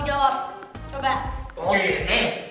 gak ada harapan